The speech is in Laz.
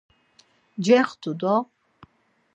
Cext̆u do!